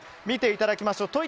見ていただきましょう。